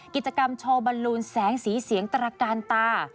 กิจกรรมโชว์บรรลูนแสงสีเสียงตระกาลตา